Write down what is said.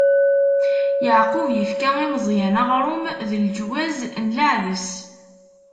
Yeɛqub ifka i Meẓyan aɣrum d leǧwaz n leɛdes.